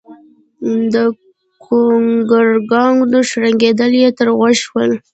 د ګونګرونګانو شړنګېدل يې تر غوږ شول